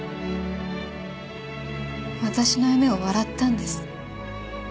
私の夢を笑ったんです。